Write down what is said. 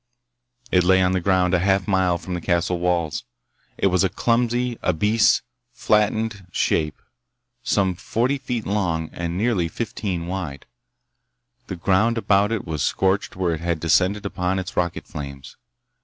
It lay on the ground a half mile from the castle walls. It was a clumsy, obese, flattened shape some forty feet long and nearly fifteen wide. The ground about it was scorched where it had descended upon its rocket flames.